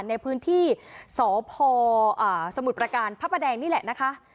ในพื้นที่สพสมุทรประการพระประแดงนี่แหละนะคะ